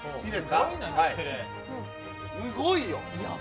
すごいよ。